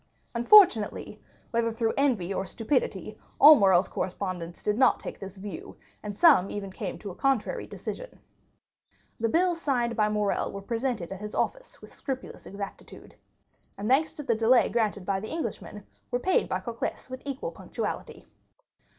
Unfortunately, whether through envy or stupidity, all Morrel's correspondents did not take this view; and some even came to a contrary decision. The bills signed by Morrel were presented at his office with scrupulous exactitude, and, thanks to the delay granted by the Englishman, were paid by Cocles with equal punctuality.